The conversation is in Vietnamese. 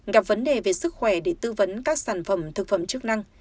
gặp vấn đề về sức khỏe để tư vấn các sản phẩm thực phẩm chức năng